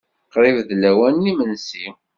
Qrib d lawan n yimensi.